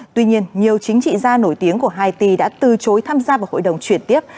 tuy nhiên nhiều chính trị gia nổi tiếng của haiti đã từ chối tham gia vào hội đồng chuyển tiếp